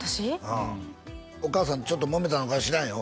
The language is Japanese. うんお母さんとちょっともめたのかは知らんよ